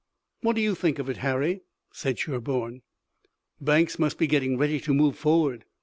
"What do you think of it, Harry?" said Sherburne. "Banks must be getting ready to move forward."